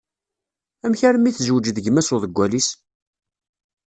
Amek armi tezweǧ d gma-s uḍeggal-is?